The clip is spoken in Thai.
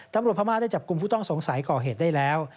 พม่าได้จับกลุ่มผู้ต้องสงสัยก่อเหตุได้แล้ว